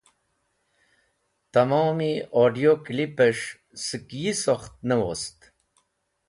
Tẽmom od̃iyo kilpẽs̃h sẽk yi sokht ne wost.